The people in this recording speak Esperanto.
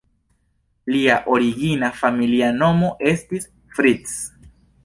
Lia origina familia nomo estis "Fritz".